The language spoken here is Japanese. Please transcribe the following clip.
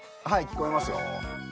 はい聞こえますよ。